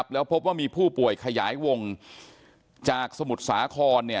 แล้วพบว่ามีผู้ป่วยขยายวงจากสมุทรสาคร